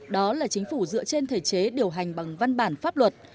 đó là chính phủ dựa trên thể chế điều hành bằng văn bản pháp luật